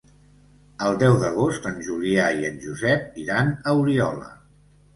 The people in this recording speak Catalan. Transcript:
El deu d'agost en Julià i en Josep iran a Oriola.